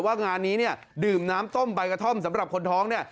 ว่างานนี้เนี่ยดื่มน้ำต้มใบกระท่อมสำหรับคนท้องเนี่ย